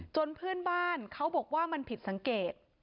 เพื่อนบ้านเขาบอกว่ามันผิดสังเกต